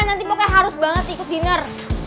nanti pokoknya harus banget ikut dinner